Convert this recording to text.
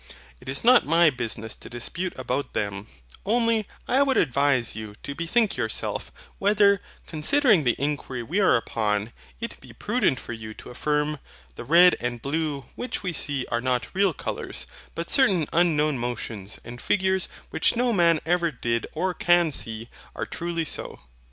It is not my business to dispute about THEM; only I would advise you to bethink yourself, whether, considering the inquiry we are upon, it be prudent for you to affirm THE RED AND BLUE WHICH WE SEE ARE NOT REAL COLOURS, BUT CERTAIN UNKNOWN MOTIONS AND FIGURES WHICH NO MAN EVER DID OR CAN SEE ARE TRULY SO.